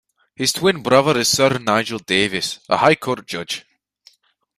His twin brother is Sir Nigel Davis a High Court judge.